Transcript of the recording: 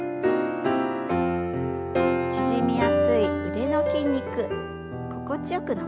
縮みやすい腕の筋肉心地よく伸ばしていきましょう。